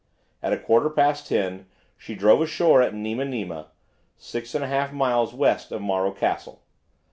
At a quarter past ten she drove ashore at Nimanima, 6 1/2 miles west of Morro Castle.